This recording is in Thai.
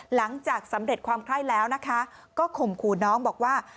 หลังจากสำเร็จความไข้แล้วนะคะก็ข่มขู่น้องบอกว่า